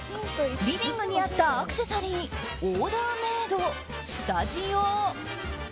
リビングにあったアクセサリーオーダーメイド、スタジオ。